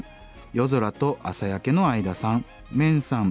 夜空と朝焼けの間さんメンさん